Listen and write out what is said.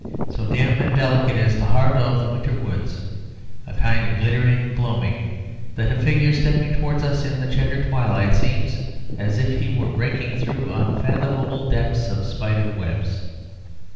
So dim and delicate is the heart of the winter woods, a kind of glittering gloaming, that a figure stepping towards us in the chequered twilight seems as if he were breaking through unfathomable depths of spiders' webs.